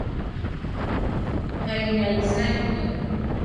kaiñaɨ saiño